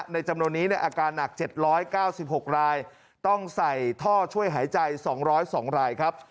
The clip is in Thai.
จำนวนนี้อาการหนัก๗๙๖รายต้องใส่ท่อช่วยหายใจ๒๐๒รายครับ